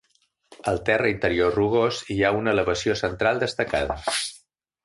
Al terra interior rugós, hi ha una elevació central destacada.